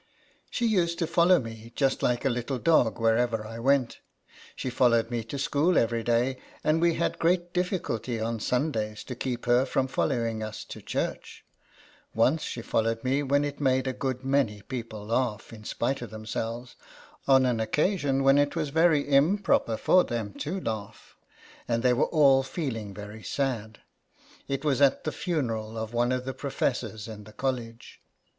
She used to follow me, just like a little dog, wherever I went. She followed me to school every day, and we had great diffi * culty on Sundays to keep her from follow ing us to church. Once she followed me, when it made a good many people laugh, in spite of themselves, on an occasion when it was very improper for them to 1 4 INTR OD UCTION. laugh, and they were all feeling very sad. It was at the funeral of one of the profes sors in the college.